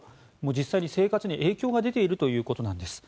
実際に生活に影響が出ているということです。